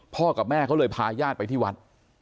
พ่อกับแม่เขาเลยพายาดไปที่วัด